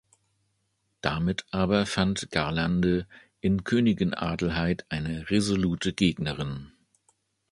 Damit aber fand Garlande in Königin Adelheid eine resolute Gegnerin.